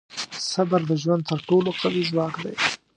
• صبر د ژوند تر ټولو قوي ځواک دی.